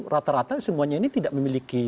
rata rata semuanya ini tidak memiliki